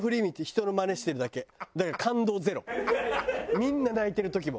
みんな泣いてる時も。